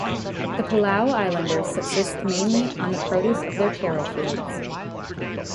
The Palau Islanders subsist mainly on the produce of their taro fields.